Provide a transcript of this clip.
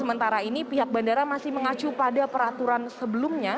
sementara ini pihak bandara masih mengacu pada peraturan sebelumnya